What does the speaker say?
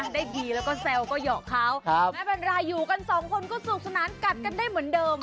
ได้ดีแล้วก็แซวก็หอกเขาไม่เป็นไรอยู่กันสองคนก็สนุกสนานกัดกันได้เหมือนเดิม